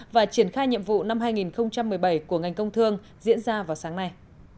và triển khai nhiệm vụ năm hai nghìn một mươi bảy của ngành công thương diễn ra vào sáng nay